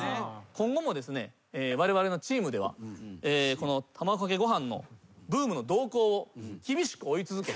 今後もわれわれのチームでは卵かけご飯のブームの動向を厳しく追い続け。